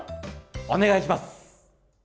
お願いします！